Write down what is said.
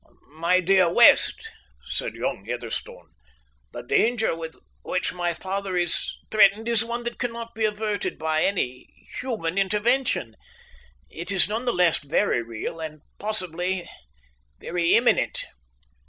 "My dear West," said young Heatherstone, "the danger with which my father is threatened is one that cannot be averted by any human intervention. It is none the less very real, and possibly very imminent."